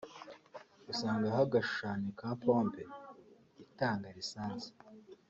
usangaho agashushanyo ka ‘pompe’ itanga lisansi